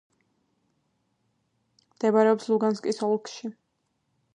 მდებარეობს ლუგანსკის ოლქში.